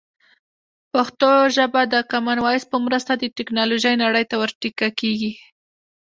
پښتو ژبه د کامن وایس په مرسته د ټکنالوژۍ نړۍ ته ور ټيکه کېږي.